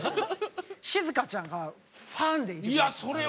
しずかちゃんがファンでいてくれて。